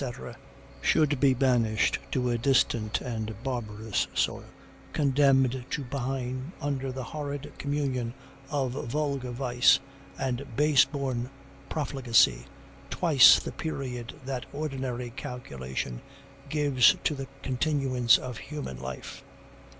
] should be banished to a distant and barbarous soil, condemned to pine under the horrid communion of vulgar vice, and base born profligacy, twice the period that ordinary calculation gives to the continuance of human life!